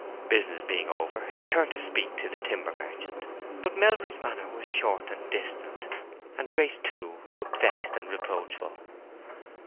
Business being over, he turned to speak to the timber merchant. But Melbury's manner was short and distant; and Grace, too, looked vexed and reproachful.